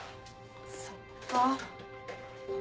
そっか。